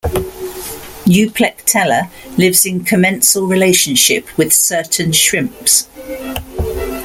Euplectella lives in commensal relationship with certain shrimps.